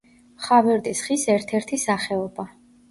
ხავერდის ხის ერთ-ერთი სახეობა.